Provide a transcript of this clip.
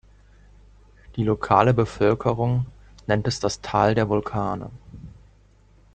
Die lokale Bevölkerung nennt es das „Tal der Vulkane“.